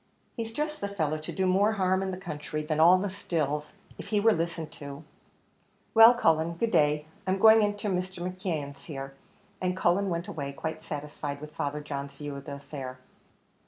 He's just the fellow to do more harm in the country than all the stills, if he were listened to. Well, Cullen, good day, I'm going into Mr. McKeon's here;" and Cullen went away quite satisfied with Father John's view of the affair.